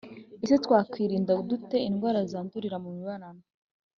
Ese twakwirinda dute indwara zandurira mu mibonano